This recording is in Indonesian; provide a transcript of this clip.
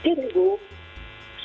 tapi ini sepakan komunikasi